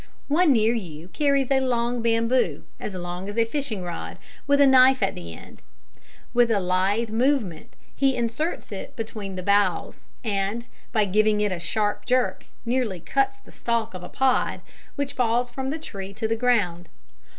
One near you carries a long bamboo as long as a fishing rod with a knife at the end. With a lithe movement he inserts it between the boughs, and, by giving it a sharp jerk, neatly cuts the stalk of a pod, which falls from the tree to the ground.